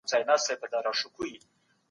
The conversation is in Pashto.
صدقه د زړه پاکوالي ته لاره هواروي.